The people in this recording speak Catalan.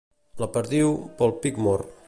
La perdiu, pel pic mor.